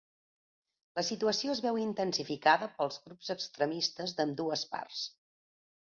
La situació es veu intensificada pels grups extremistes d'ambdues parts.